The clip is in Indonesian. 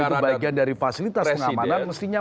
dan itu bagian dari fasilitas pengamanan mestinya